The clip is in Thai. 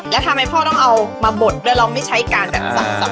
แล้วทำไมพ่อต้องเอามาบดด้วยเราไม่ใช้การแบบสับ